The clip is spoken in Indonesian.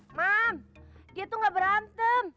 mam dia tuh ga berantem